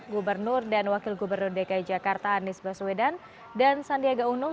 gubernur dan wakil gubernur dki jakarta anies baswedan dan sandiaga uno